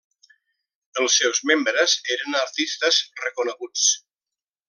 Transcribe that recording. Els seus membres eren artistes reconeguts.